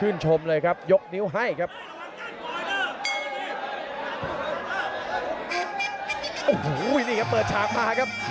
โอ้โหนี่ครับเปิดฉากมาครับ